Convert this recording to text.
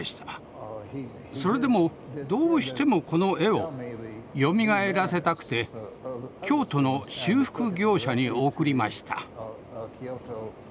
それでもどうしてもこの絵を蘇らせたくて京都の修復業者に送りました。